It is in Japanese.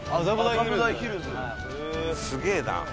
すげえな。